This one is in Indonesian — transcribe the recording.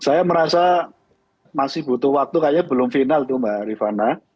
saya merasa masih butuh waktu kayaknya belum final tuh mbak rifana